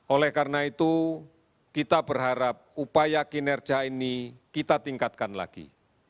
oleh karena itu kita berharap upaya kinerja ini kita tingkatkan lagi